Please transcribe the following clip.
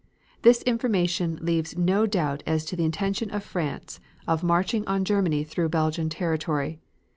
This information leaves no doubt as to the intention of France of marching on Germany through Belgian territory.